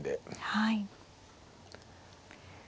はい。